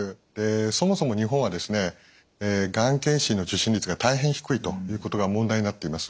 そもそも日本はですねがん検診の受診率が大変低いということが問題になっています。